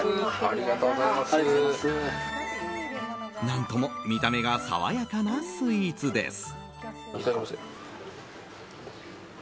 何とも見た目が爽やかなスイーツです。